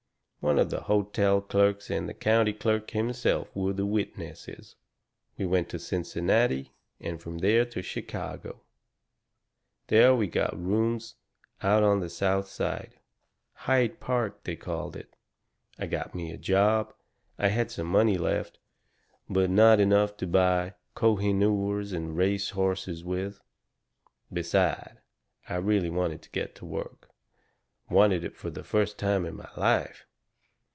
One of the hotel clerks and the county clerk himself were the witnesses. "We went to Cincinnati and from there to Chicago. There we got rooms out on the South Side Hyde Park, they called it. And I got me a job. I had some money left, but not enough to buy kohinoors and race horses with. Beside, I really wanted to get to work wanted it for the first time in my life.